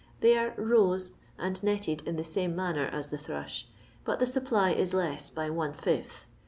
They are "rose" and netted in the same manner as the thrush, but the supply is less by one fifth.